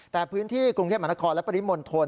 แต่พื้นที่กรุงเทพมหานครและปริมณฑล